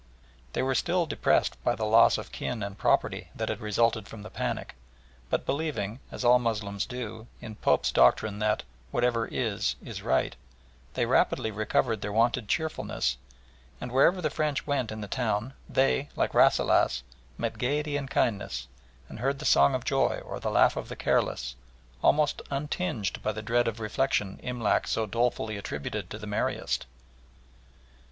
They were still depressed by the loss of kin and property that had resulted from the panic, but believing, as all Moslems do, in Pope's doctrine that "Whatever is, is right," they rapidly recovered their wonted cheerfulness, and wherever the French went in the town they, like Rasselas, "met gaiety and kindness, and heard the song of joy or the laugh of the careless," almost untinged by the dread of reflection Imlac so dolefully attributed to the merriest.